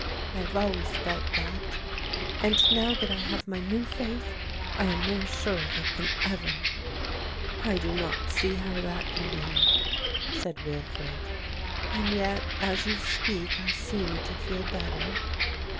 I have always felt that; and now that I have my new faith, I am more sure of it than ever." "I do not see how that can be," said Wilfred, "and yet as you speak I seem to feel better."